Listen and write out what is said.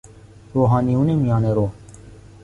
روحانیون میانه رو